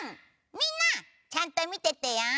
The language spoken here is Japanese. みんな、ちゃんと見ててよ。